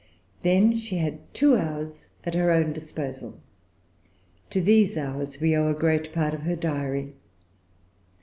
Then she had two hours at her own disposal. To these hours we owe great part of her Diary.